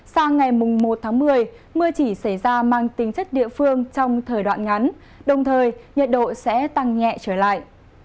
sang ngày một tháng một mươi mưa chỉ xảy ra mang tính chất địa phương trong thời đoạn ngắn đồng thời nhiệt độ sẽ tăng nhẹ trở lại